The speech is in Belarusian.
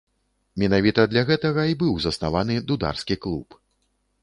Менавіта для гэтага і быў заснаваны дударскі клуб.